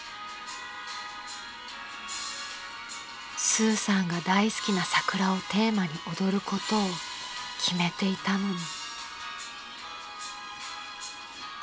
［スーさんが大好きな桜をテーマに踊ることを決めていたのに］